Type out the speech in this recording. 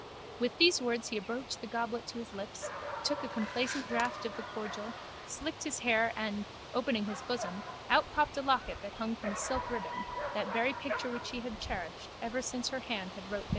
With these words he approached the goblet to his lips, took a complacent draught of the cordial, slicked his hair and, opening his bosom, out popped a locket that hung from a silk riband, that very picture which he had cherished ever since her hand had wrote therein.